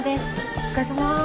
お疲れさまです。